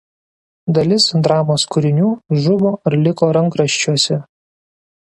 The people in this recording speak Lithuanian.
Dalis dramos kūrinių žuvo ar liko rankraščiuose.